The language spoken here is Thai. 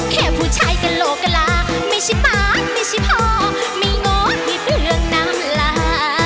แค่ผู้ชายกะโหลกะลาไม่ใช่ปากไม่ใช่พ่อไม่โง่ไม่เปลืองน้ำหลาย